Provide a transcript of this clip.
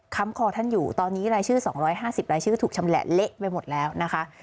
คอท่านอยู่ตอนนี้รายชื่อ๒๕๐รายชื่อถูกชำแหละเละไปหมดแล้วนะคะ